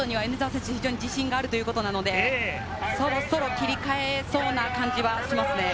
ラストスパートには米澤選手、非常に自信があるということなので、そろそろ切り替えそうな感じはしますね。